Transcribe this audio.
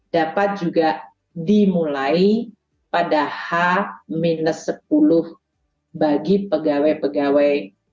dapat juga dimulai pada h sepuluh bagi pegawai pegawai